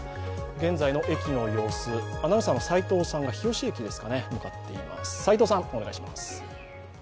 現在の駅の様子、アナウンサーの齋藤さんが向かっています。